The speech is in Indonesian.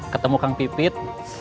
ketemu kang pipit